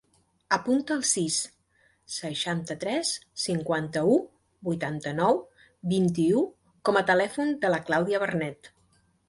Apunta el sis, seixanta-tres, cinquanta-u, vuitanta-nou, vint-i-u com a telèfon de la Clàudia Bernet.